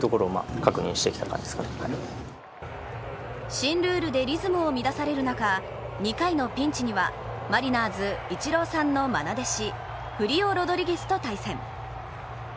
新ルールでリズムを乱される中２回のピンチにはマリナーズ、イチローさんのまな弟子フリオ・ロドリゲスと対戦。